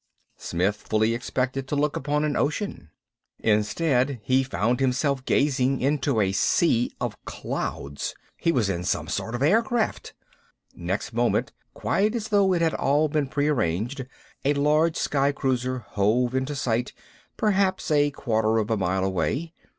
Smith fully expected to look upon an ocean. Instead, he found himself gazing into a sea of clouds. He was in some sort of aircraft! Next moment, quite as though it had all been prearranged, a large sky cruiser hove into sight perhaps a quarter of a mile away.